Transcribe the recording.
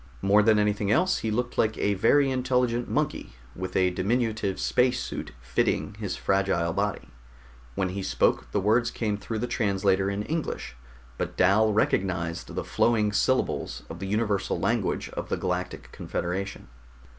More than anything else, he looked like a very intelligent monkey with a diminutive space suit fitting his fragile body. When he spoke the words came through the translator in English; but Dal recognized the flowing syllables of the universal language of the Galactic Confederation.